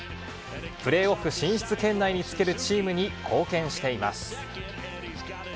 プレーオフ進出圏内につけるチームに貢献しています。